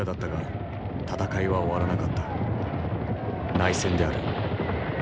内戦である。